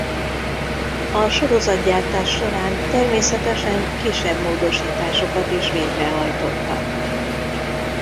A sorozatgyártás során természetesen kisebb módosításokat is végrehajtottak.